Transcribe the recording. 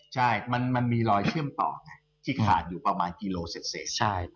ใช่มันมีรอยเชื่อมต่อไงที่ขาดอยู่ประมาณกิโลเสร็จ